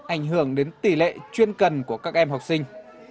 ảnh hưởng đến tỷ lệ chuyên cần của các em học sinh